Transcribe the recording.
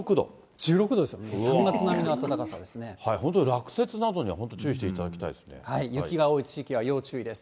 １６度ですよ、本当落雪などには本当注意し雪が多い地域は要注意です。